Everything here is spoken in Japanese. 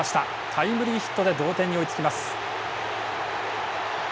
タイムリーヒットで同点に追いつきます。